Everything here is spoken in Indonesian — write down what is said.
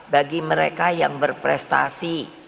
bagi mereka yang berprestasi